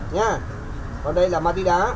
nha còn đây là matida